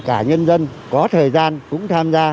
cả nhân dân có thời gian cũng tham gia